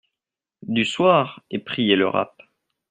du soir, est priée le rapp.